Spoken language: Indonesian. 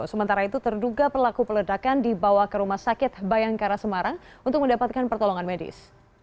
sementara itu terduga pelaku peledakan dibawa ke rumah sakit bayangkara semarang untuk mendapatkan pertolongan medis